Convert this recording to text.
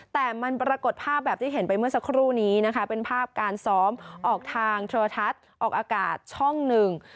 แต่มันปรากฏภาพแบบที่เห็นไปเมื่อสักครู่นี้นะคะเป็นภาพการซ้อมออกทางโทรทัศน์ออกอากาศช่องหนึ่ง